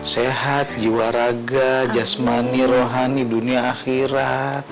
sehat jiwa raga jasmani rohani dunia akhirat